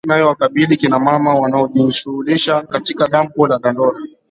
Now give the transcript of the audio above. Hatari inayowakabili kina mama wanaojishughulisha katika dampo la Dandora